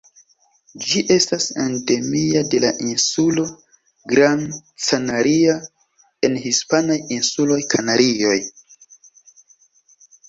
Ĝi estas endemia de la insulo Gran Canaria en hispanaj insuloj Kanarioj.